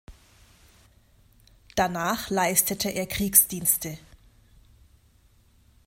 Danach leistete er Kriegsdienste.